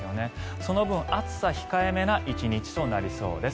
その分、暑さ控えめな１日となりそうです。